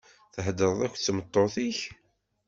Theḍṛeḍ akked tmeṭṭut-ik?